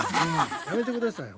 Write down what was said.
やめて下さいよ。